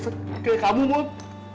seperti kamu mut